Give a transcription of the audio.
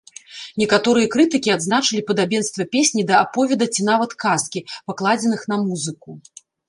Некаторыя крытыкі адзначылі падабенства песні да аповеда ці нават казкі, пакладзеных на музыку.